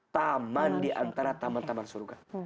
taman diantara taman taman surga